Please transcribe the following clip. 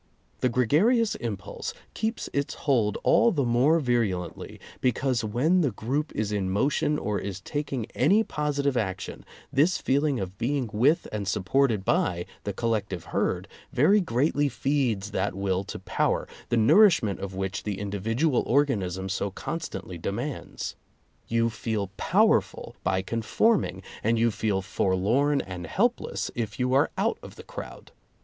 The gregarious impulse keeps its hold all the more virulently because when the group is in mo tion or is taking any positive action, this feeling of being with and supported by the collective herd very greatly feeds that will to power, the nourish ment of which the individual organism so con stantly demands. You feel powerful by conform ing, and you feel forlorn and helpless if you are out of the crowd.